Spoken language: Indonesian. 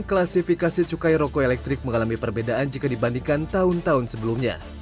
klasifikasi cukai roko elektrik mengalami perbedaan jika dibandingkan tahun tahun sebelumnya